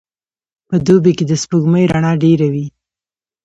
په دوبي کي د سپوږمۍ رڼا ډېره وي.